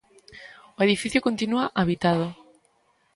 O edificio continúa habitado.